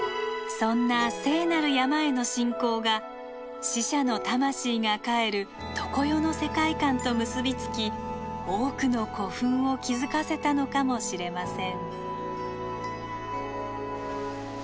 そんな聖なる山への信仰が死者の魂が帰る常世の世界観と結び付き多くの古墳を築かせたのかもしれません。